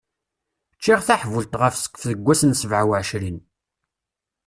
Ččiɣ taḥbult ɣef sqef deg wass n sebɛa uɛecrin.